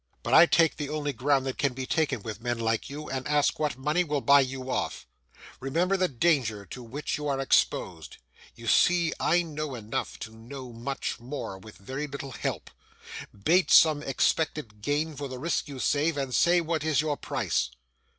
But, I take the only ground that can be taken with men like you, and ask what money will buy you off. Remember the danger to which you are exposed. You see I know enough to know much more with very little help. Bate some expected gain for the risk you save, and say what is your price.